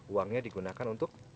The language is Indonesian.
uangnya digunakan untuk